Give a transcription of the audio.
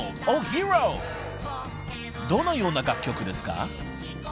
［どのような楽曲ですか？］